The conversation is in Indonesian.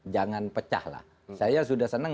jangan pecahlah saya sudah senang